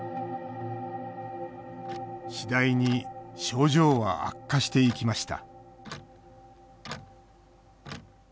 次第に症状は悪化していきました